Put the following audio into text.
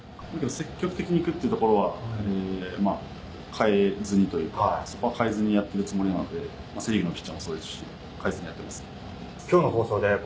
積極的に行くというのは変えずにというか、そこは変えずにやっているので、セ・リーグのピッチャーもそうですし、変えずにやっていますね。